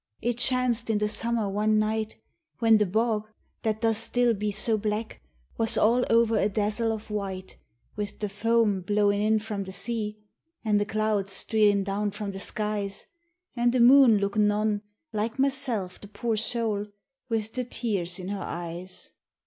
It chanst in the summer one night When the bog, that does still be so black, was all over a dazzle of white With the foam blowin' in from the sea, an' the clouds streelin' down from the skies An' the moon lookin' on, like myself, the poor soul, with the tears in her eyes.